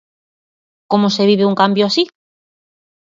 Como se vive un cambio así?